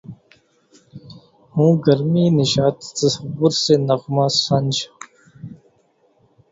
ہوں گرمیِ نشاطِ تصور سے نغمہ سنج